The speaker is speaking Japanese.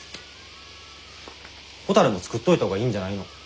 ほたるも作っといたほうがいいんじゃないの？